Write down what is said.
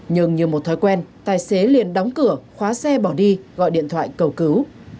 nhưng như một thói quen tài xế liền đóng cửa khóa xe bỏ đi gọi điện thoại cầu cứu